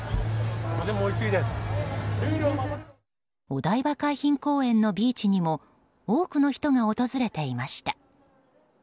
お台場海浜公園のビーチにも多くの人が訪れていました。